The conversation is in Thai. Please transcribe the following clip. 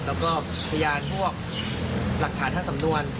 แล้วก็พยานพวกหลักฐานทางสำนวน